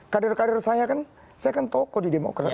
kader kader saya kan saya kan tokoh di demokrat